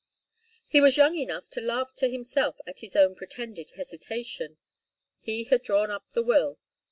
He was young enough to laugh to himself at his own pretended hesitation. He had drawn up the will.